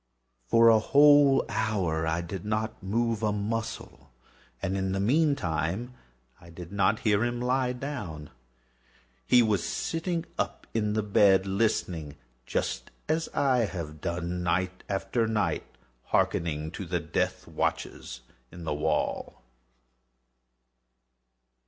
For a whole hour I did not move a muscle, and in the meantime I did not hear him lie down. He was still sitting up in the bed listening;—just as I have done, night after night, hearkening to the death watches in the wall.